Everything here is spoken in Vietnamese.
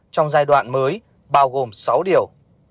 trong giai đoạn mới bao gồm sáu điều